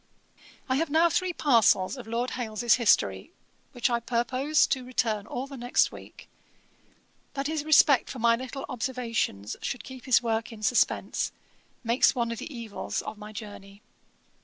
'I have now three parcels of Lord Hailes's history, which I purpose to return all the next week: that his respect for my little observations should keep his work in suspense, makes one of the evils of my journey.